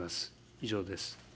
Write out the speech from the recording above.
以上です。